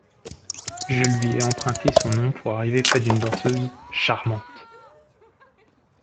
Je lui ai emprunté son nom pour arriver près d’une danseuse… charmante !